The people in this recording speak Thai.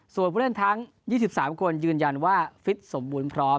ส่วนผู้เล่นทั้ง๒๓คนยืนยันว่าฟิตสมบูรณ์พร้อม